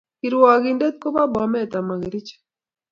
Kirwakindet ko ba Bomet amo Kericoho